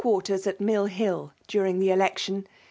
quarters at Mill Hill during the election?